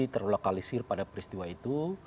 terlokalisir pada peristiwa itu